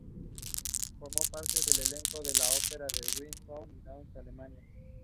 Formó parte del elenco de la Ópera del Rhin en Düsseldorf y Duisburg, Alemania.